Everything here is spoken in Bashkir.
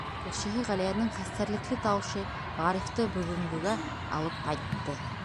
Күршеһе Ғәлиәнең хәстәрлекле тауышы Ғарифты бөгөнгөгә алып ҡайтты.